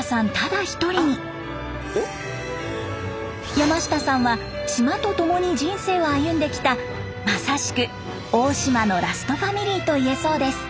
山下さんは島とともに人生を歩んできたまさしく黄島のラストファミリーといえそうです。